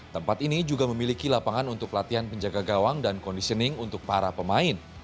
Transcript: tempat ini juga memiliki lapangan untuk latihan penjaga gawang dan conditioning untuk para pemain